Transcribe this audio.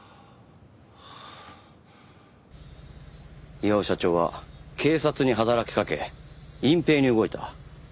巌社長は警察に働きかけ隠蔽に動いた。